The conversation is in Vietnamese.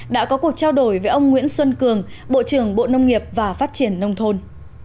đã có cuộc trao đổi với ông nguyễn xuân cường bộ trưởng bộ nông nghiệp và phát triển nông thôn